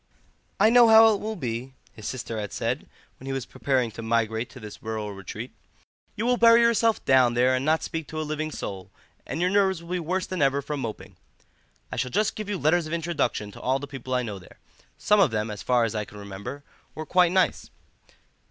"I know how it will be," his sister had said when he was preparing to migrate to this rural retreat; "you will bury yourself down there and not speak to a living soul, and your nerves will be worse than ever from moping. I shall just give you letters of introduction to all the people I know there. Some of them, as far as I can remember, were quite nice."